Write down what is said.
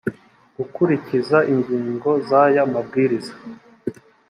gukurikiza ingingo z aya mabwiriza